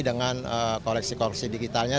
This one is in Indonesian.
dengan koleksi koleksi digitalnya